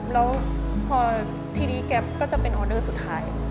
แล้วพอทีนี้แก๊ปก็จะเป็นออเดอร์สุดท้าย